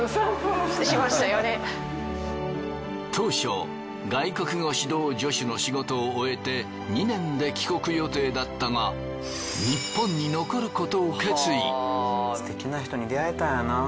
当初外国語指導助手の仕事を終えて２年で帰国予定だったがすてきな人に出会えたんやなぁ。